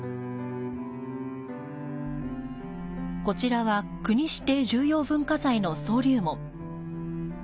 こちらは国指定重要文化財の双龍門。